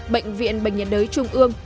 bệnh viện bệnh nhân đới trung ương